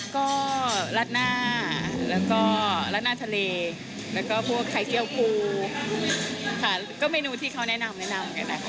ก็รัดหน้าแล้วก็ราดหน้าทะเลแล้วก็พวกไข่เจียวปูค่ะก็เมนูที่เขาแนะนำแนะนำกันค่ะ